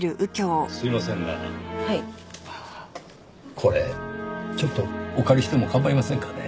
これちょっとお借りしても構いませんかね？